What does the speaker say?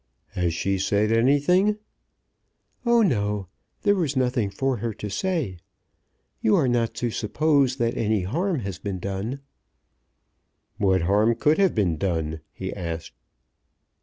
"Has she said anything?" "Oh, no; there was nothing for her to say. You are not to suppose that any harm has been done." "What harm could have been done?" he asked.